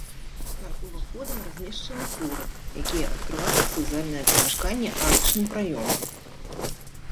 Над уваходам размешчаны хоры, якія адкрываюцца ў зальнае памяшканне арачным праёмам.